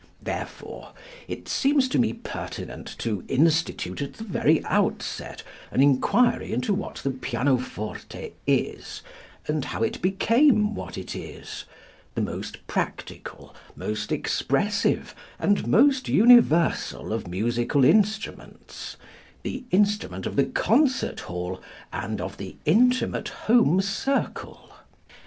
Therefore, it seems to me pertinent to institute at the very outset an inquiry into what the pianoforte is and how it became what it is the most practical, most expressive and most universal of musical instruments, the instrument of the concert hall and of the intimate home circle.